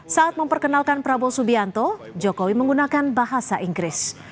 saat memperkenalkan prabowo subianto jokowi menggunakan bahasa inggris